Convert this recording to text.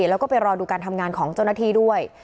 แล้วก็ไปรอดูการทำงานของเจ้าหน้าที่ด้วย